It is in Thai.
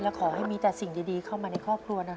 และขอให้มีแต่สิ่งดีเข้ามาในครอบครัวนะครับ